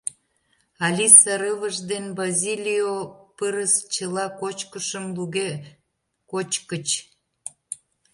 Алиса рывыж ден Базилио пырыс чыла кочкышым луге кочкыч.